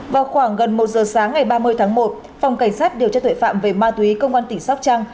vào khoảng gần một giờ sáng ngày ba mươi tháng một phòng cảnh sát điều tra tuệ phạm về ma túy công an tỉnh sóc trăng